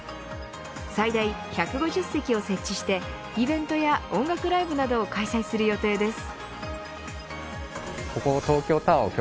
最大１５０席を設置してイベントや音楽ライブなどを開催する予定です。